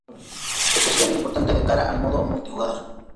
Esto será muy importante de cara al modo multijugador.